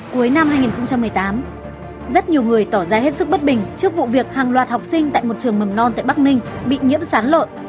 cuối năm hai nghìn một mươi tám rất nhiều người tỏ ra hết sức bất bình trước vụ việc hàng loạt học sinh tại một trường mầm non tại bắc ninh bị nhiễm sán lợn